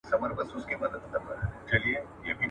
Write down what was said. • خر پر لار که، خپله چار که.